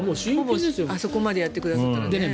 あそこまでやってくださったらね。